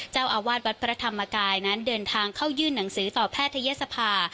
เจ้าอาวาสวัดพระธรรมกายนั้นเดินทางเข้ายื่นหนังสือต่อแพทยศภา